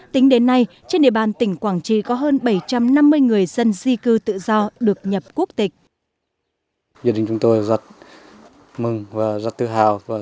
tính đến nay trên địa bàn tỉnh quảng trị có hơn bảy trăm năm mươi người dân di cư tự do được nhập quốc tịch